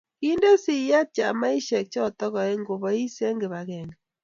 kiinde siyet chamaisheck choto aeng kobois eng kibagenge